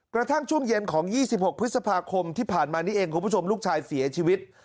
กระทั่งช่วงเย็นของ๒๖พฤษภาคมที่ผ่านมานี้เองคุณผู้ชมลูกชายเสียชีวิต